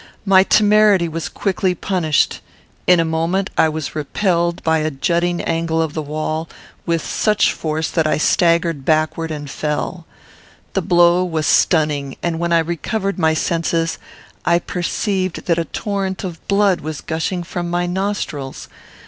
My temerity was quickly punished. In a moment, I was repelled by a jutting angle of the wall, with such force that I staggered backward and fell. The blow was stunning, and, when I recovered my senses, I perceived that a torrent of blood was gushing from my nostrils.